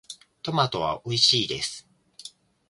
トマトはおいしいです。